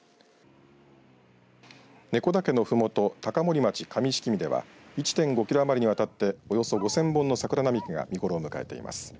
根子岳のふもと高森町上色見では１．５キロ余りにわたっておよそ５０００本の桜並木が見頃を迎えています。